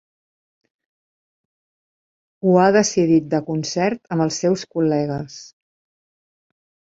Ho ha decidit de concert amb els seus col·legues.